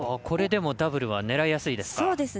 これでもダブルは狙いやすいですか。